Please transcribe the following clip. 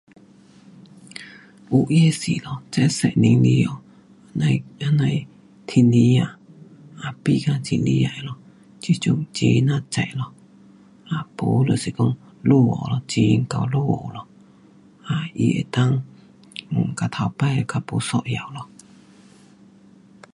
有真是咯，这十年里下，那样的那样的天气啊，啊变到会厉害咯，这阵很呐热咯，没就是讲落雨咯，很会落雨咯，啊，它能够跟头次较不一样咯。